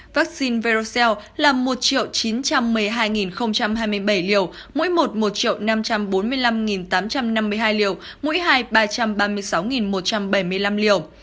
vaccine verocel là một chín trăm một mươi hai hai mươi bảy liều mỗi một một năm trăm bốn mươi năm tám trăm năm mươi hai liều mũi hai ba trăm ba mươi sáu một trăm bảy mươi năm liều